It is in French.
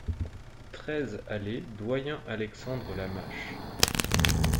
treize allée Doyen Alexandre Lamache